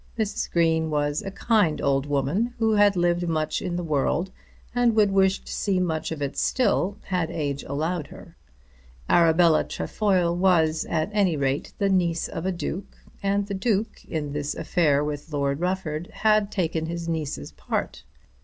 Mrs. Green was a kind old woman, who had lived much in the world, and would wish to see much of it still, had age allowed her. Arabella Trefoil was at any rate the niece of a Duke, and the Duke, in this affair with Lord Rufford, had taken his niece's part.